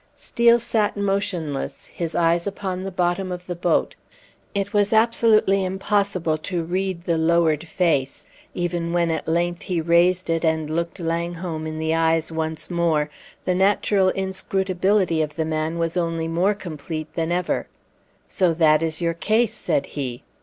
Steel sat motionless, his eyes upon the bottom of the boat. It was absolutely impossible to read the lowered face; even when at length he raised it, and looked Langholm in the eyes once more, the natural inscrutability of the man was only more complete than ever. "So that is your case!" said he.